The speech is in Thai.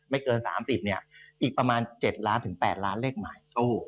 เกิน๓๐เนี่ยอีกประมาณ๗ล้านถึง๘ล้านเลขหมาย